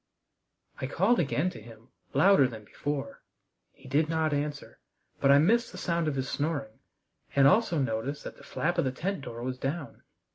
I called again to him, louder than before. He did not answer, but I missed the sound of his snoring, and also noticed that the flap of the tent door was down.